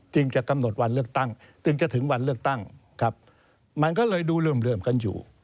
จริงจะถึงวันเลือกตั้งมันก็เลยดูเริ่มกันอยู่